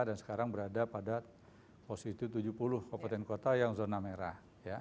dan sekarang berada pada posisi tujuh puluh kabupaten kota yang zona merah